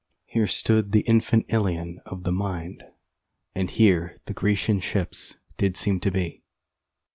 Here stood the infant Ilion of the mind, And here the Grecian ships did seem to be.